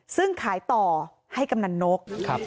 ซึ่งขายต่อให้กำนันนก